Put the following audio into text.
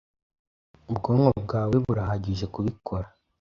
Ubwonko bwawe burahagije kubikora